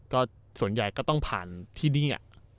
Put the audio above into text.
ก็ส่วนใหญ่ก็ต้องผ่านที่นี่